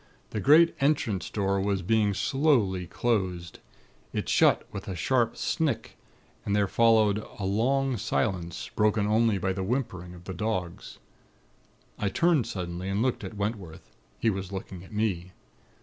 The great entrance door was being slowly closed. It shut with a sharp snick, and there followed a long silence, broken only by the whimpering of the dogs. "I turned suddenly, and looked at Wentworth. He was looking at me.